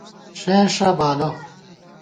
ݭېنݭہ بالہ